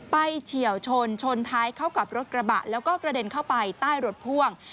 เฉียวชนชนท้ายเข้ากับรถกระบะแล้วก็กระเด็นเข้าไปใต้รถพ่วง